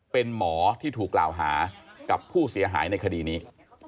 เป็นหมอที่ถูกกล่าวหากับผู้เสียหายในคดีนี้